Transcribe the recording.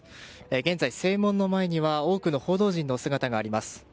現在、正門の前には多くの報道陣の姿があります。